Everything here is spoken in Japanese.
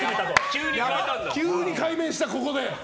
急に改名したんだ、ここで。